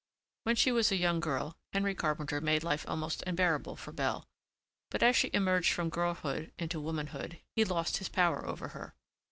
When she was a young girl Henry Carpenter made life almost unbearable for Belle, but as she emerged from girlhood into womanhood he lost his power over her.